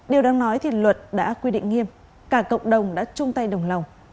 điều đáng nói thì luật đã quy định nghiêm cả cộng đồng đã chung tay đồng lòng